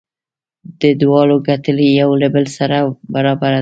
د دواړو کتلې یو له بل سره برابره ده.